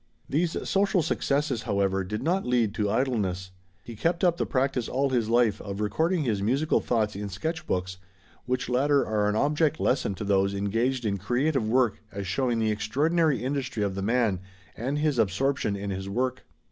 These social successes, however, did not lead to idleness. He kept up the practise all his life of recording his musical thoughts in sketch books, which latter are an object lesson to those engaged in creative work as showing the extraordinary industry of the man and his absorption in his work.